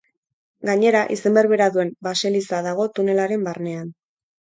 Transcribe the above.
Gainera, izen berbera duen baseliza dago tuneralen barnean.